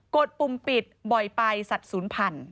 ดปุ่มปิดบ่อยไปสัตว์ศูนย์พัน